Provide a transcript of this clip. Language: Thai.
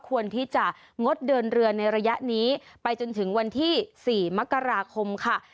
ควรที่จะงดเดินเรือในระยะนี้ไปจนถึงวันที่๔มกราคมค่ะ